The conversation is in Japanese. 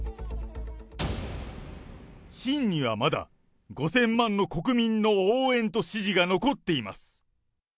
臣にはまだ５０００万の国民の応援と支持が残っています。